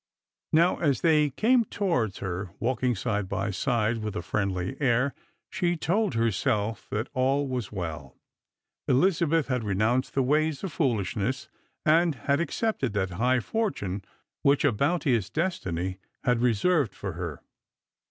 Now, as they came towards her walking side by side with a friendly air, she told herself that all was well. Elizabeth had renounced the ways of foolishness, and had accepted that high fortune which a bounteous destiny had reserved for her.